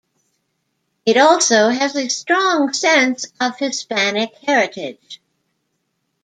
It also has a strong sense of Hispanic heritage.